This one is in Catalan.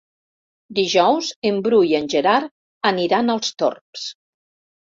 Dijous en Bru i en Gerard aniran als Torms.